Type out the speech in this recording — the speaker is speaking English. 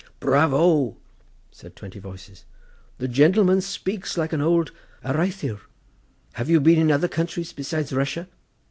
"Bravo!" said twenty voices; "the gentleman speaks like an areithiwr. Have you been in other countries besides Russia?"